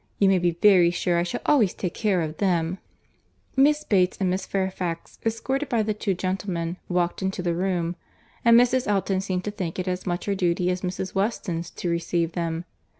You may be very sure I shall always take care of them." Miss Bates and Miss Fairfax, escorted by the two gentlemen, walked into the room; and Mrs. Elton seemed to think it as much her duty as Mrs. Weston's to receive them.